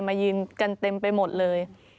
มายืนกันเต็มไปหมดเลย